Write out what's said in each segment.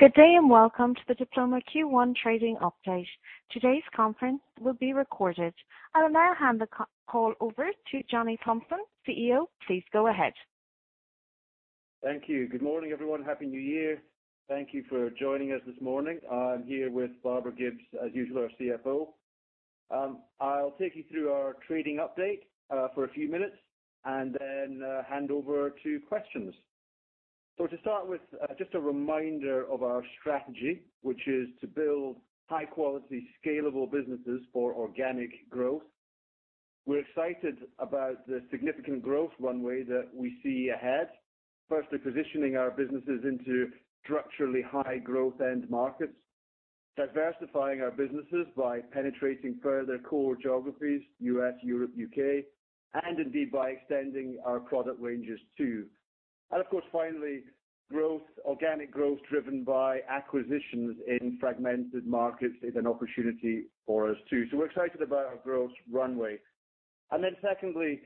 Good day and welcome to the Diploma Q1 trading update. Today's conference will be recorded. I will now hand the call over to Johnny Thomson, CEO. Please go ahead. Thank you. Good morning, everyone. Happy New Year. Thank you for joining us this morning. I'm here with Barbara Gibbes, as usual, our CFO. I'll take you through our trading update for a few minutes and then hand over to questions. To start with, just a reminder of our strategy, which is to build high-quality, scalable businesses for organic growth. We're excited about the significant growth runway that we see ahead. Firstly, positioning our businesses into structurally high-growth end markets. Diversifying our businesses by penetrating further core geographies, U.S., Europe, U.K., and indeed by extending our product ranges too. Of course, finally, growth, organic growth driven by acquisitions in fragmented markets is an opportunity for us too. We're excited about our growth runway. Secondly,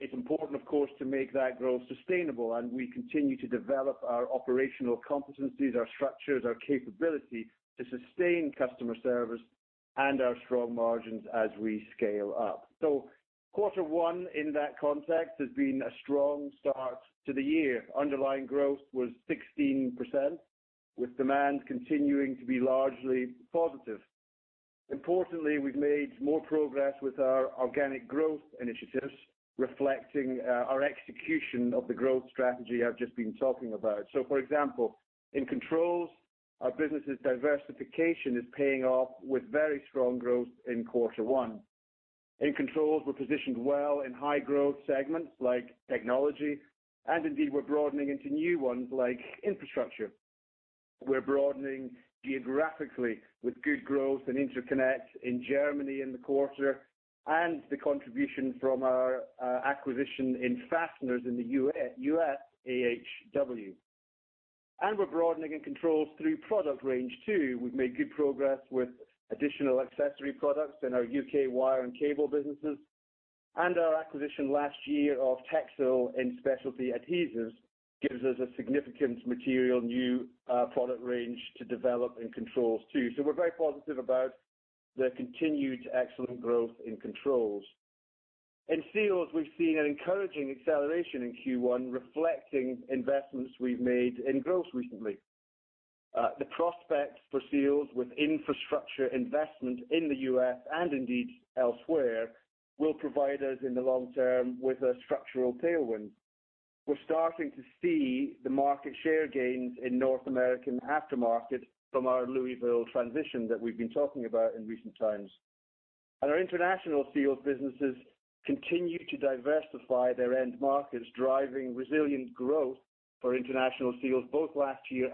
it's important, of course, to make that growth sustainable, and we continue to develop our operational competencies, our structures, our capability to sustain customer service and our strong margins as we scale up. Quarter one in that context has been a strong start to the year. Underlying growth was 16%, with demand continuing to be largely positive. Importantly, we've made more progress with our organic growth initiatives, reflecting our execution of the growth strategy I've just been talking about. For example, in Controls, our business' diversification is paying off with very strong growth in quarter one. In Controls, we're positioned well in high-growth segments like technology, and indeed, we're broadening into new ones like infrastructure. We're broadening geographically with good growth in Interconnect in Germany in the quarter and the contribution from our acquisition in Fasteners in the U.S., AHW. We're broadening in Controls through product range too. We've made good progress with additional accessory products in our U.K. wire and cable businesses. Our acquisition last year of Techsil in specialty adhesives gives us a significant materially new product range to develop in Controls too. We're very positive about the continued excellent growth in Controls. In Seals, we've seen an encouraging acceleration in Q1, reflecting investments we've made in growth recently. The prospects for Seals with infrastructure investment in the U.S. and indeed elsewhere will provide us in the long term with a structural tailwind. We're starting to see the market share gains in North American aftermarket from our Louisville transition that we've been talking about in recent times. Our international Seals businesses continue to diversify their end markets, driving resilient growth for international Seals both last year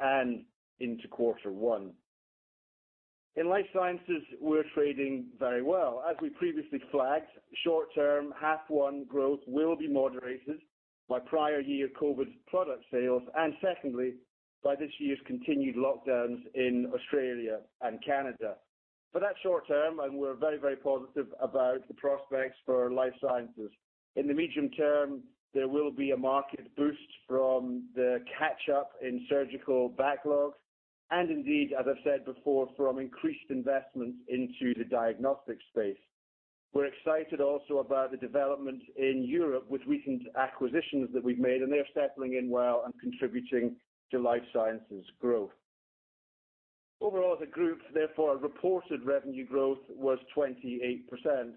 and into quarter one. In Life Sciences, we're trading very well. As we previously flagged, short term half one growth will be moderated by prior year COVID product sales, and secondly, by this year's continued lockdowns in Australia and Canada. That's short term, and we're very, very positive about the prospects for Life Sciences. In the medium term, there will be a market boost from the catch-up in surgical backlogs, and indeed, as I've said before, from increased investments into the diagnostic space. We're excited also about the development in Europe with recent acquisitions that we've made, and they're settling in well and contributing to Life Sciences growth. Overall, the group, therefore, reported revenue growth was 28%.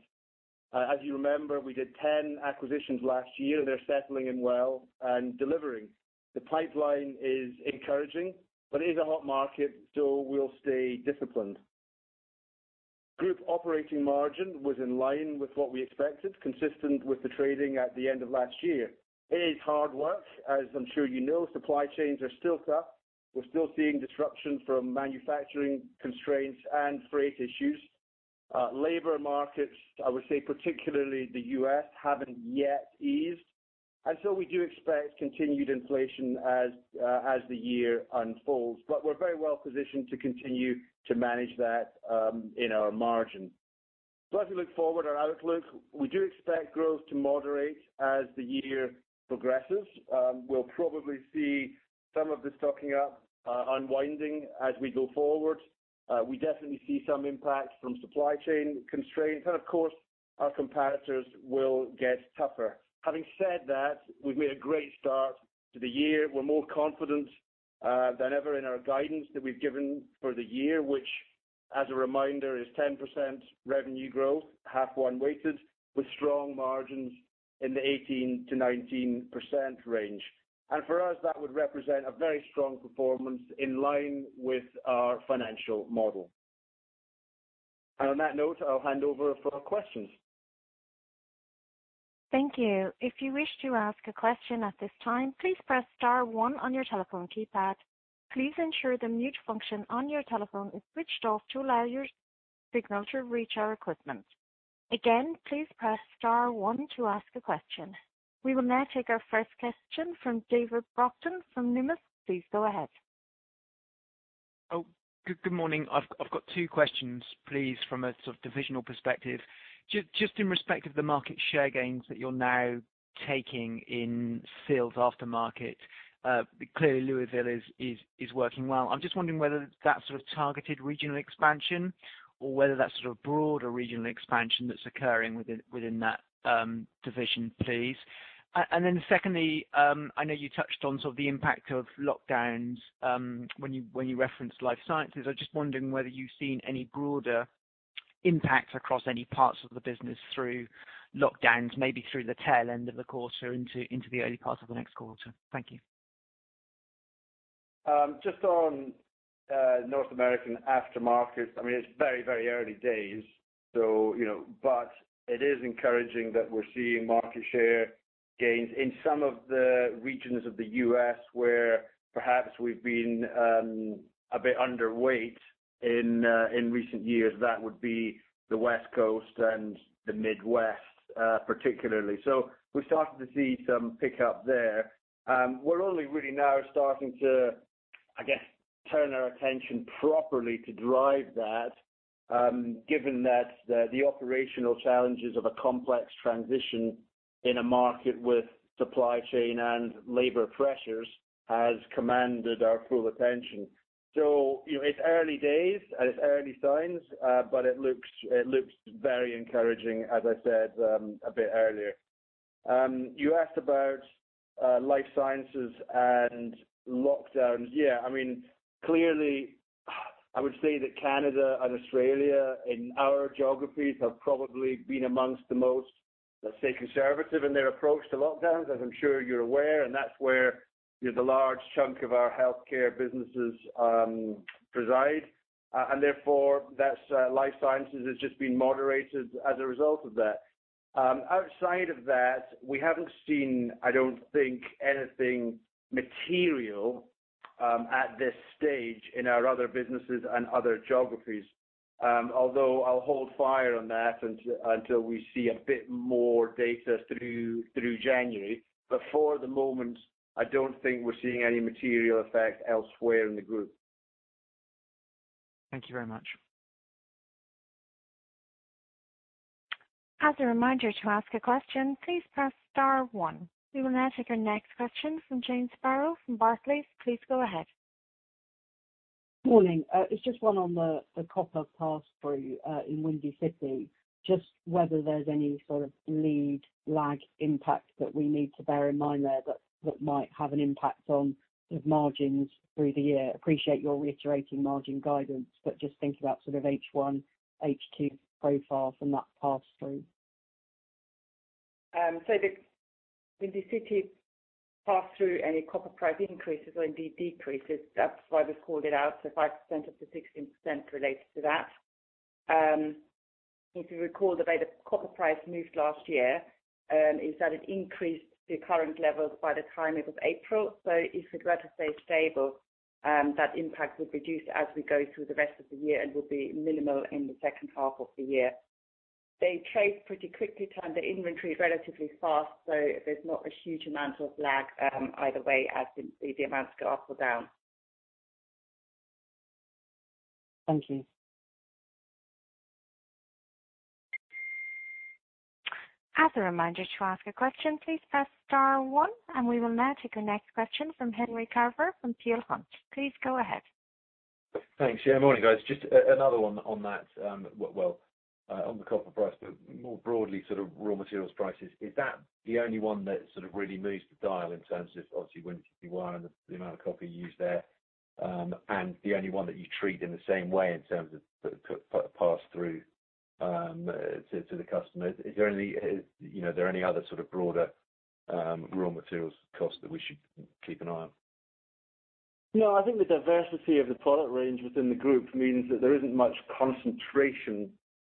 As you remember, we did 10 acquisitions last year. They're settling in well and delivering. The pipeline is encouraging, but it is a hot market, so we'll stay disciplined. Group operating margin was in line with what we expected, consistent with the trading at the end of last year. It is hard work. As I'm sure you know, supply chains are still tough. We're still seeing disruption from manufacturing constraints and freight issues. Labor markets, I would say, particularly the U.S., haven't yet eased. We do expect continued inflation as the year unfolds. We're very well positioned to continue to manage that in our margins. As we look forward, our outlook, we do expect growth to moderate as the year progresses. We'll probably see some of the stocking up, unwinding as we go forward. We definitely see some impact from supply chain constraints. Of course, our competitors will get tougher. Having said that, we've made a great start to the year. We're more confident than ever in our guidance that we've given for the year, which as a reminder, is 10% revenue growth, first-half weighted, with strong margins in the 18%-19% range. On that note, I'll hand over for questions. Thank you. If you wish to ask a question at this time, please press star one on your telephone keypad. Please ensure the mute function on your telephone is switched off to allow your signal to reach our equipment. Again, please press star one to ask a question. We will now take our first question from David Brockton from Numis. Please go ahead. Good morning. I've got two questions please from a sort of divisional perspective. Just in respect of the market share gains that you're now taking in seals aftermarket, clearly Louisville is working well. I'm just wondering whether that's sort of targeted regional expansion or whether that's sort of broader regional expansion that's occurring within that division, please. Secondly, I know you touched on sort of the impact of lockdowns when you referenced Life Sciences. I'm just wondering whether you've seen any broader impact across any parts of the business through lockdowns, maybe through the tail end of the quarter into the early part of the next quarter. Thank you. Just on North American aftermarket. I mean, it's very, very early days, you know, but it is encouraging that we're seeing market share gains in some of the regions of the U.S. where perhaps we've been a bit underweight in recent years. That would be the West Coast and the Midwest, particularly. We're starting to see some pickup there. We're only really now starting to, I guess, turn our attention properly to drive that, given that the operational challenges of a complex transition in a market with supply chain and labor pressures has commanded our full attention. You know, it's early days and it's early signs, but it looks very encouraging, as I said a bit earlier. You asked about Life Sciences and lockdowns. Yeah, I mean, clearly, I would say that Canada and Australia in our geographies have probably been among the most, let's say, conservative in their approach to lockdowns, as I'm sure you're aware. That's where, you know, the large chunk of our healthcare businesses reside. Therefore, that's Life Sciences has just been moderated as a result of that. Outside of that, we haven't seen, I don't think, anything material at this stage in our other businesses and other geographies. Although I'll hold fire on that until we see a bit more data through January. For the moment, I don't think we're seeing any material effect elsewhere in the group. Thank you very much. As a reminder, to ask a question, please press star one. We will now take our next question from Jane Sparrow from Barclays. Please go ahead. Morning. It's just one on the copper pass-through in Windy City. Just whether there's any sort of lead lag impact that we need to bear in mind there that might have an impact on sort of margins through the year. Appreciate your reiterating margin guidance, but just thinking about sort of H1, H2 profile from that pass-through. The Windy City pass-through any copper price increases or indeed decreases. That's why we've called it out, so 5%-16% related to that. If you recall, the way the copper price moved last year is that it increased to the current levels by the time it was April. If it were to stay stable, that impact would reduce as we go through the rest of the year and will be minimal in the second half of the year. They trade pretty quickly, turn their inventory relatively fast, so there's not a huge amount of lag either way as the amounts go up or down. Thank you. We will now take our next question from Henry Carver from Peel Hunt. Please go ahead. Thanks. Yeah, morning, guys. Just another one on that. Well, on the copper price, but more broadly, sort of raw materials prices. Is that the only one that sort of really moves the dial in terms of obviously Windy City Wire and the amount of copper you use there, and the only one that you treat in the same way in terms of pass through to the customer? Is there any, you know, are there any other sort of broader raw materials cost that we should keep an eye on? No, I think the diversity of the product range within the group means that there isn't much concentration,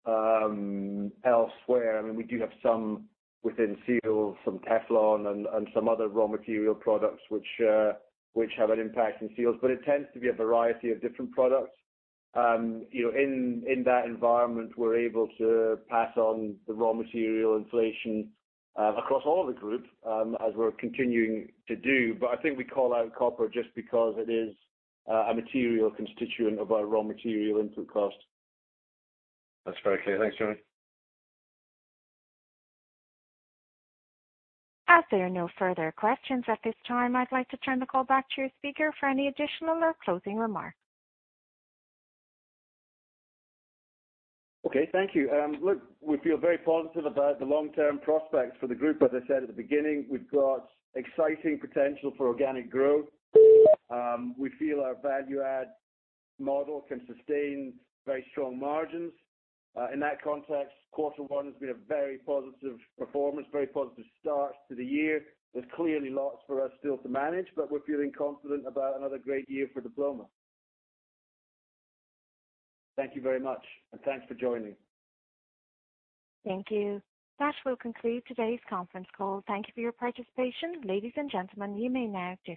elsewhere. I mean, we do have some within seals, some Teflon and some other raw material products which have an impact in seals, but it tends to be a variety of different products. You know, in that environment, we're able to pass on the raw material inflation, across all the group, as we're continuing to do. I think we call out copper just because it is a material constituent of our raw material input cost. That's very clear. Thanks, Johnny. As there are no further questions at this time, I'd like to turn the call back to your speaker for any additional or closing remarks. Okay. Thank you. Look, we feel very positive about the long-term prospects for the group. As I said at the beginning, we've got exciting potential for organic growth. We feel our value add model can sustain very strong margins. In that context, quarter one has been a very positive performance, very positive start to the year. There's clearly lots for us still to manage, but we're feeling confident about another great year for Diploma. Thank you very much, and thanks for joining. Thank you. That will conclude today's conference call. Thank you for your participation. Ladies and gentlemen, you may now disconnect.